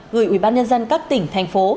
gửi ubnd các tỉnh thành phố